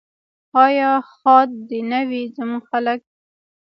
آیا ښاد دې نه وي زموږ خلک؟